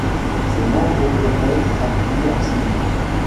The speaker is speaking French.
Ses membres opéraient habillés en civil.